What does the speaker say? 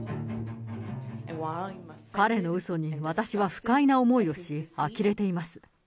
彼のうそに私は不快な思いをし、あきれています。